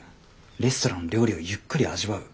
レストランの料理をゆっくり味わう。